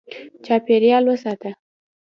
چاپېریال وساته.